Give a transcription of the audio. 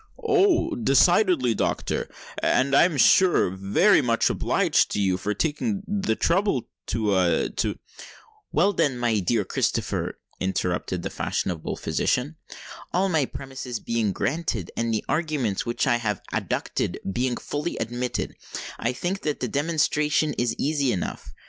"Oh! decidedly, doctor:—and I am sure I am very much obliged to you for taking the trouble to—to——" "Well, then, my dear Sir Christopher," interrupted the fashionable physician; "all my premises being granted, and the arguments which I have adduced being fully admitted, I think that the demonstration is easy enough.